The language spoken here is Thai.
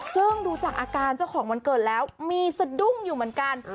ซึ่งดูจากอาการเจ้าของวันเกิดแล้วมีสะดุ้งอยู่เหมือนกัน